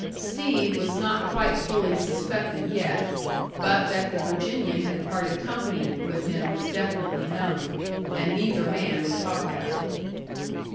Steve was not quite fully suspected yet. But that the Virginian had parted company with him was definitely known. And neither man would talk about it.